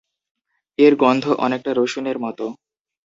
এর গন্ধ অনেকটা রসুনের মত।